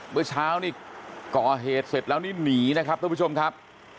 เมื่อเช้านี่ก่อเหตุเสร็จแล้วนี่หนีนะครับทุกผู้ชมครับ